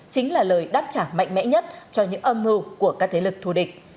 chính là lời đáp trả mạnh mẽ nhất cho những âm mưu của các thế lực thù địch